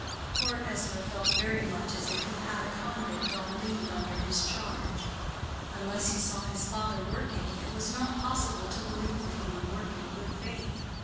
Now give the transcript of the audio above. Poor Ezra felt very much as if he had a convict on leave under his charge. Unless he saw his father working, it was not possible to believe that he would work in good faith.